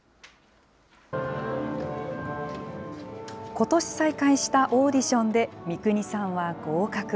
ことし再開したオーディションで、三国さんは合格。